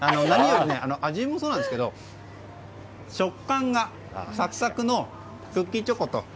何より、味もそうなんですけど食感がサクサクのクッキーチョコと。